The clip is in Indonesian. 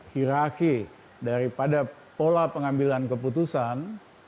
hiraki daripada pola pengambilan keputusan